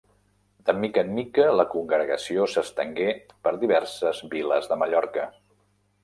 De mica en mica, la congregació s'estengué per diverses viles de Mallorca.